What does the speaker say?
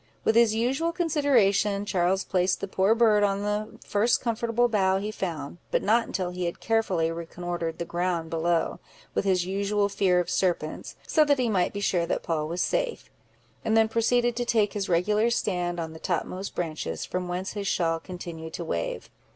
With his usual consideration, Charles placed the poor bird on the first comfortable bough he found, but not until he had carefully reconnoitered the ground below, with his usual fear of serpents, so that he might be sure that Poll was safe; and then proceeded to take his regular stand on the topmost branches, from whence his shawl continued to wave.